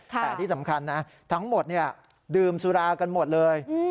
แต่ที่สำคัญนะทั้งหมดดื่มสุรากันหมดเลย